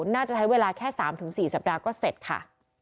น่าจะใช้เวลาแค่๓๔สัปดาห์ก็เสร็จค่ะ